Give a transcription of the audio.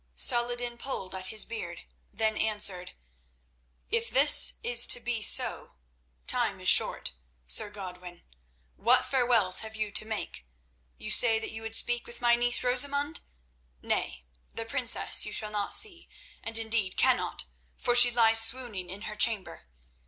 Saladin pulled at his beard, then answered: "If this is to be so, time is short, Sir Godwin. What farewells have you to make? You say that you would speak with my niece Rosamund? Nay, the princess you shall not see, and indeed cannot, for she lies swooning in her chamber.